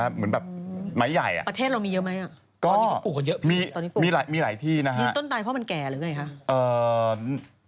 เหมือนแบบไม้ใหญ่ประเทศ